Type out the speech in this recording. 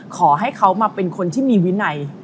ขอให้เขามาเป็นคนที่มีวินัย